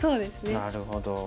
なるほど。